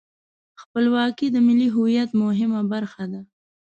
خپلواکي د ملي هویت مهمه برخه ده.